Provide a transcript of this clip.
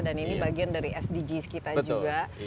dan ini bagian dari sdgs kita juga